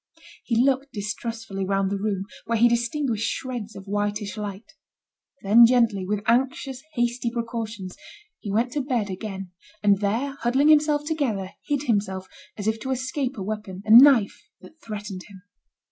He looked distrustfully round the room, where he distinguished shreds of whitish light. Then gently, with anxious, hasty precautions, he went to bed again, and there huddling himself together, hid himself, as if to escape a weapon, a knife that threatened him.